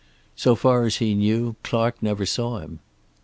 So far as he knew, Clark never saw him.